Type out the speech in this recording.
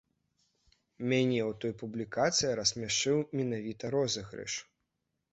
Мяне ў той публікацыі рассмяшыў менавіта розыгрыш.